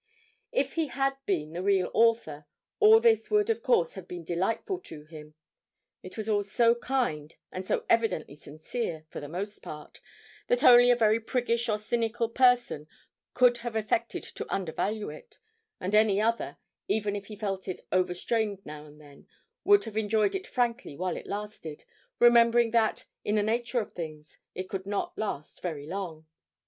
If he had been the real author, all this would of course have been delightful to him; it was all so kind and so evidently sincere for the most part, that only a very priggish or cynical person could have affected to undervalue it, and any other, even if he felt it overstrained now and then, would have enjoyed it frankly while it lasted, remembering that, in the nature of things, it could not last very long.